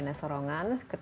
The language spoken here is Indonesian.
dan juga bisa bantu di video